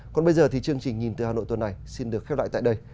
còn bây giờ thì chương trình nhìn từ hà nội tuần này xin được khép lại tại đây